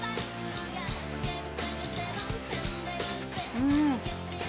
うん！